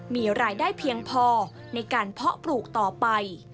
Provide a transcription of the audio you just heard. มีรายได้เพียงพอในการเพาะปลูกต่อไป